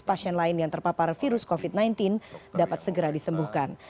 pasien lain yang terpapar virus covid sembilan belas dapat segera disembuhkan